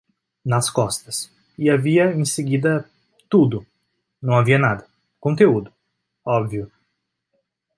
nas costas, e havia, em seguida, tudo, não havia nada, conteúdo, óbvio